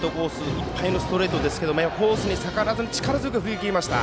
いっぱいのストレートですがコースに逆らわずに力強く振り抜きました。